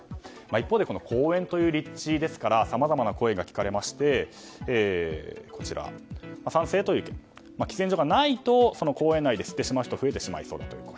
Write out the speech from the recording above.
一方で、公園という立地ですからさまざまな声が聞かれまして賛成という、喫煙所がないと公園内で吸ってしまう人が増えてしまいそうだという声。